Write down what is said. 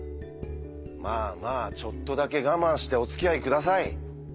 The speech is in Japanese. まあまあちょっとだけ我慢しておつきあい下さい。